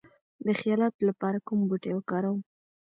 د خیالاتو لپاره کوم بوټي وکاروم؟